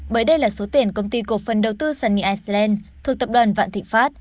bởi đây là số tiền công ty cục phần đầu tư sunny island thuộc tập đoàn vạn thị pháp